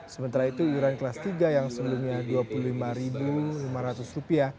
sementara itu iuran kelas tiga yang sebelumnya rp dua puluh lima lima ratus